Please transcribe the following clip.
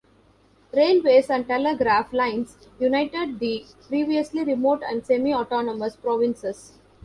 Railways and telegraph lines united the previously remote and semi-autonomous provinces.